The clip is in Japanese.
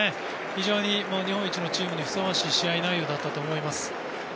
非常に日本一のチームにふさわしい試合内容だったと思います。